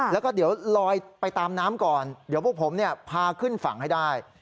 แล้วก็เดี๋ยวลอยไปตามน้ำก่อนเดี๋ยวพวกผมพาขึ้นฝั่งให้ได้